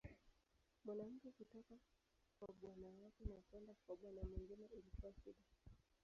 Mwanamke kutoka kwa bwana yake na kwenda kwa bwana mwingine ilikuwa shida.